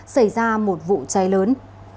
xảy ra một vụ cháy lớn